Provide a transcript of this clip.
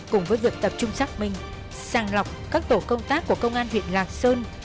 cùng với việc tập trung xác minh sàng lọc các tổ công tác của công an huyện lạc sơn